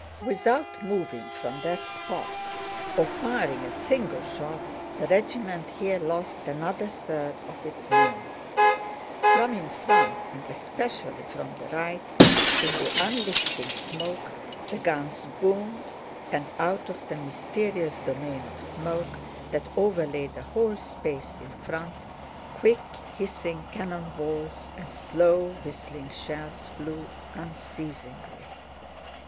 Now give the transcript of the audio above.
Without moving from that spot or firing a single shot the regiment here lost another third of its men. From in front and especially from the right, in the unlifting smoke the guns boomed, and out of the mysterious domain of smoke that overlay the whole space in front, quick hissing cannon balls and slow whistling shells flew unceasingly.